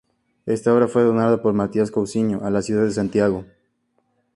Esta obra fue donada por Matías Cousiño a la ciudad de Santiago.